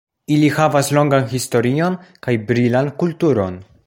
Ili havas longan historion kaj brilan kulturon.